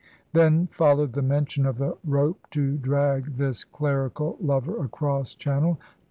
Then followed the mention of the rope to drag this clerical lover across Channel.